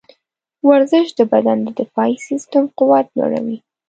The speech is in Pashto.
ورزش د بدن د دفاعي سیستم قوت لوړوي.